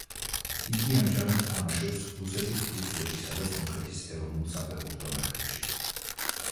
იგი ამჟამად თამაშობს რუსეთის კლუბ სოჭისა და სომხეთის ეროვნულ საფეხბურთო ნაკრებში.